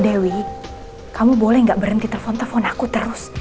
dewi kamu boleh nggak berhenti telepon telepon aku terus